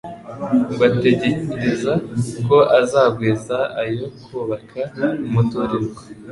ngo ategereze ko azagwiza ayo kubaka umuturirwa.